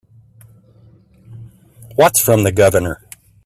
What's from the Governor?